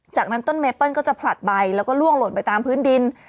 จากนั้นต้นเมเปิ้ลก็จะผลัดใบแล้วก็ล่วงหล่นไปตามพื้นดิน